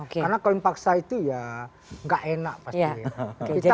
karena kawin paksa itu ya tidak enak pasti